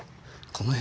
この辺。